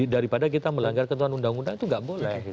daripada kita melanggar ketentuan undang undang itu nggak boleh